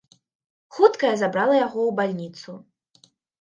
Хуткая забрала яго ў бальніцу.